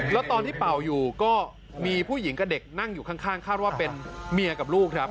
แล้วตอนที่เป่าอยู่ก็มีผู้หญิงกับเด็กนั่งอยู่ข้างคาดว่าเป็นเมียกับลูกครับ